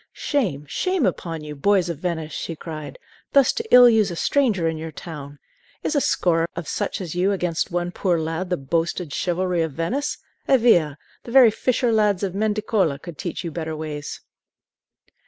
"Shame, shame upon you, boys of Venice," she cried, "thus to ill use a stranger in your town! Is a score of such as you against one poor lad the boasted chivalry of Venice? Eh via! the very fisher lads of Mendicoli could teach you better ways!"